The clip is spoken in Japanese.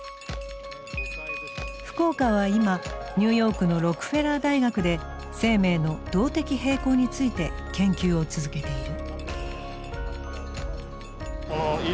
福岡は今ニューヨークのロックフェラー大学で生命の動的平衡について研究を続けている。